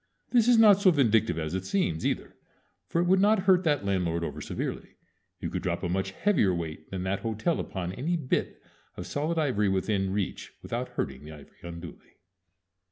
This is not so vindictive as it seems, either; for it would not hurt that landlord over severely. You could drop a much heavier weight than that hotel upon any bit of solid ivory within reach without hurting the ivory unduly.